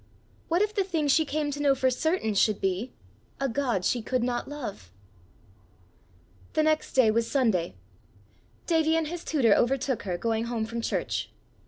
What if the thing she came to know for certain should be a God she could not love! The next day was Sunday. Davie and his tutor overtook her going home from church.